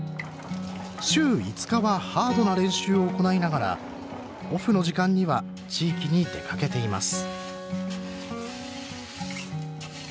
週５日はハードな練習を行いながらオフの時間には地域に出かけています